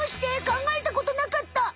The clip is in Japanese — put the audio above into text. かんがえたことなかった。